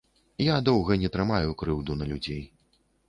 Я доўга не трымаю крыўду на людзей.